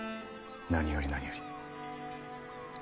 何より何より。